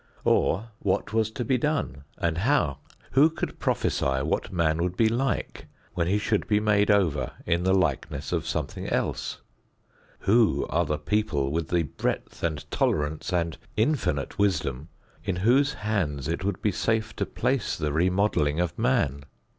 Or, what was to be done and how? Who could prophesy what man would be like when he should be made over in the likeness of something else? Who are the people with the breadth and tolerance and infinite wisdom, in whose hands it would be safe to place the remodeling of man?